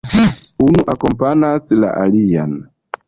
Unu akompanas la alian.